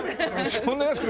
そんな安くない。